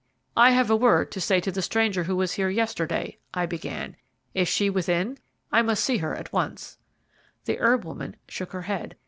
"I have a word to say to the stranger who was here yesterday," I began. "Is she within? I must see her at once." The herb woman shook her head.